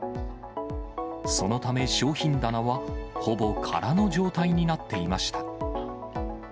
そのため、商品棚はほぼ空の状態になっていました。